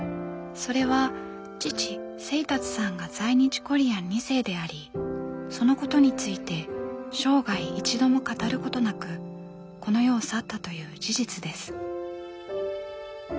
それは父清達さんが在日コリアン２世でありそのことについて生涯一度も語ることなくこの世を去ったという事実です。